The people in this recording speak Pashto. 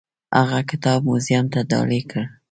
هغه کتاب موزیم ته ډالۍ کړ.